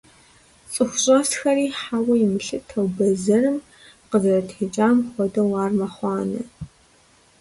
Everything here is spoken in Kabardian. ЦӀыху щӀэсхэри хьэуэ имылъытэу, бэзэрым къызэрытекӀам хуэдэу ар мэхъуанэ.